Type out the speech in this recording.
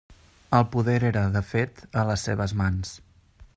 El poder era, de fet, a les seves mans.